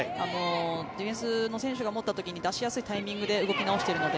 ディフェンスの選手が持った時に出しやすいタイミングで動き直しているので。